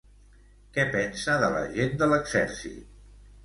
Què pensa de la gent de l'exèrcit?